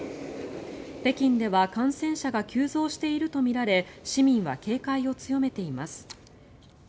北京では感染者が急増しているとみられ市民は警戒を強めています。